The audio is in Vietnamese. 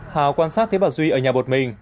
hào quan sát thấy bà duy ở nhà một mình